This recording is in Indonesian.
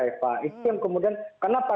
eva itu yang kemudian kenapa